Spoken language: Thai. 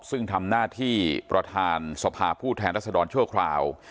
ซึ่งทำหน้าที่ประธานสภาผู้แทนรัศดรชั่วคราว